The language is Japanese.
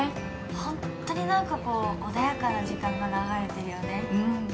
ホントになんか穏やかな時間が流れてるよね